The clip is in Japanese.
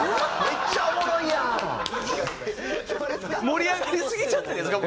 盛り上がりすぎちゃってですか？